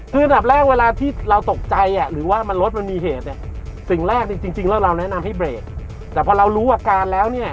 คือดับแรกเวลาที่เราตกใจนะหรือว่ามันมีรถตรงนี้